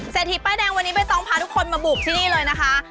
ทีป้ายแดงวันนี้ใบตองพาทุกคนมาบุกที่นี่เลยนะคะ